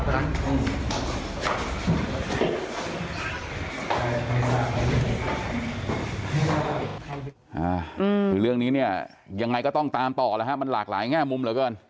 คือเรื่องนี้เนี่ยยังไงก็ต้องตามต่อแล้วฮะมันหลากหลายแง่มุมเหลือเกิน